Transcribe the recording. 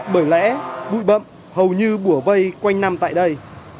bởi lẽ bụi bậm hầu như bùa vây quanh năm tại đây